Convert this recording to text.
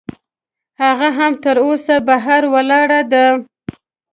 هغه هم تراوسه بهر ولاړه ده.